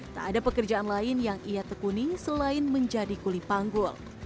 tak ada pekerjaan lain yang ia tekuni selain menjadi kuli panggul